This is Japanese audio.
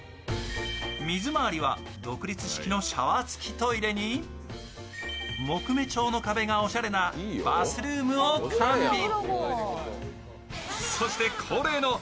水回りは独立式のシャワートイレに木目調の壁がおしゃれなバスルームを完備。